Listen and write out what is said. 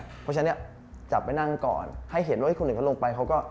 เพราะฉะนั้นเนี่ยจับไปนั่งก่อนให้เห็นว่าคนอื่นเขาลงไปเขาก็